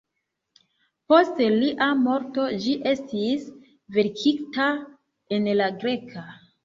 Post lia morto ĝi estis verkita en la greka.